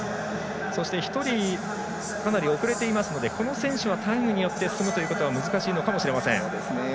１人かなり遅れていますのでこの選手はタイムによって進むということが難しいのかもしれません。